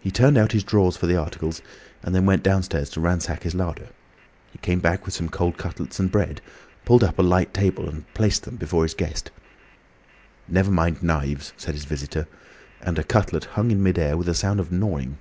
He turned out his drawers for the articles, and then went downstairs to ransack his larder. He came back with some cold cutlets and bread, pulled up a light table, and placed them before his guest. "Never mind knives," said his visitor, and a cutlet hung in mid air, with a sound of gnawing.